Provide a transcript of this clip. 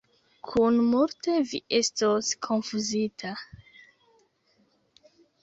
Kun multe vi estos konfuzita.